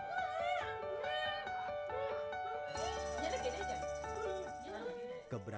keberadaan menggunakan kata kata yang berbeda